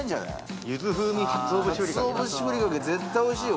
絶対おいしいよ